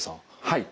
はい。